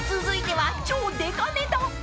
［続いては超デカネタ！］